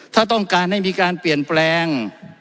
ถ้าต้องการให้มีการเปลี่ยนแปลง